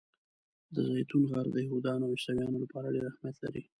د زیتون غر د یهودانو او عیسویانو لپاره ډېر اهمیت لري.